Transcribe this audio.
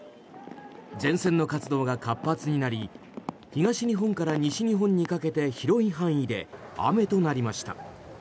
前線の活動が活発になり東日本から西日本にかけて広い範囲で雨となりました。